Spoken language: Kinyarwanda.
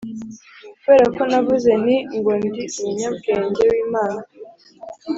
Kubera ko navuze nti ngo ndi umwana w’Imana